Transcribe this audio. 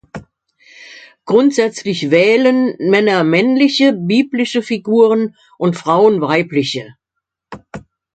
Grundsätzlich „wählen“ Männer männliche biblische Figuren und Frauen weibliche.